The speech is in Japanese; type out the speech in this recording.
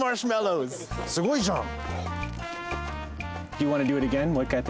すごいじゃん！